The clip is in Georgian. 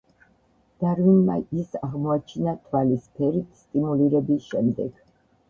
დარვინმა ის აღმოაჩინა თვალის ფერით სტიმულირების შემდეგ.